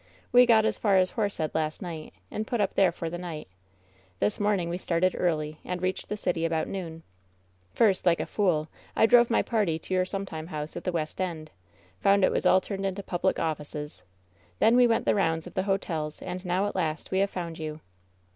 We got as far as Horsehead last night, and put up there for the night. This morning we started early, and reached the city about noon. First, like a fool, I drove my party to your sometime house at the West End. Found it was all turned into public offices. Then we went the rounds of the hotels and now at last we have found you."